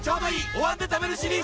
「お椀で食べるシリーズ」